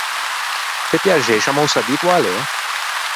Pe piaxei, scià me o sa dî che oa l’é?